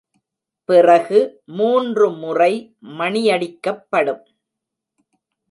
பிறகு மூன்று முறை மணியடிக்கப்படும்.